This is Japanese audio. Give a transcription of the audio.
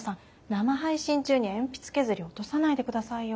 生配信中に鉛筆削り落とさないで下さいよ。